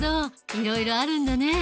いろいろあるんだね。